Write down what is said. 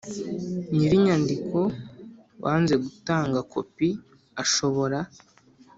Nyir inyandiko wanze gutanga kopi ashobora